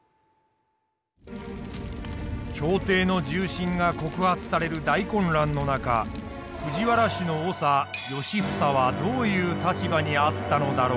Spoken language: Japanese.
朝廷の重臣が告発される大混乱の中藤原氏の長良房はどういう立場にあったのだろうか。